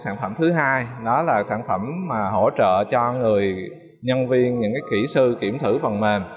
sản phẩm thứ hai đó là sản phẩm mà hỗ trợ cho người nhân viên những kỹ sư kiểm thử phần mềm